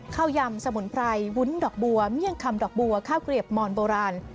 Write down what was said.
ยำสมุนไพรวุ้นดอกบัวเมี่ยงคำดอกบัวข้าวเกลียบมอนโบราณ